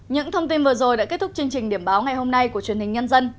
những thông tin vừa rồi đã kết thúc chương trình điểm báo ngày hôm nay của truyền hình nhân dân